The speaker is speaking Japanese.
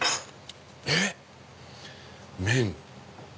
えっ⁉麺！